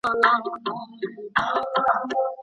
د ناروغیو احصائیه څوک راټولوي؟